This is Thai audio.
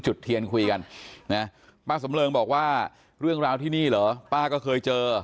เทียนคุยกันนะป้าสำเริงบอกว่าเรื่องราวที่นี่เหรอป้าก็เคยเจอ